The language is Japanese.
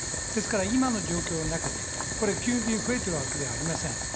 ですから今の状況の中で急激に増えてるわけではありません。